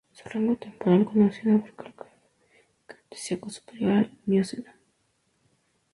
Su rango temporal conocido abarca del "Cretácico superior" al "Mioceno".